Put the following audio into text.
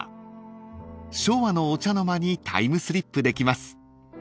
［昭和のお茶の間にタイムスリップできます］